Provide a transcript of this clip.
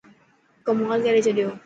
ڪمال ڪاري ڇڏيو.